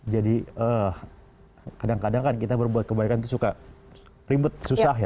jadi kadang kadang kan kita berbuat kebaikan itu suka ribet susah ya